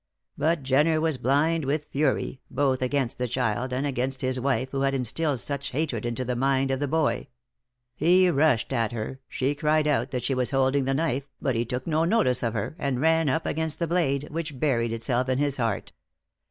But Jenner was blind with fury, both against the child and against his wife who had instilled such hatred into the mind of the boy. He rushed at her; she cried out that she was holding the knife, but he took no notice of her, and ran up against the blade, which buried itself in his heart.